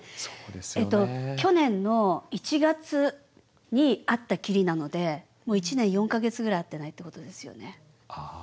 えっと去年の１月に会ったきりなのでもう１年４か月ぐらい会ってないってことですよね。